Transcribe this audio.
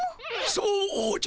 そうじゃ。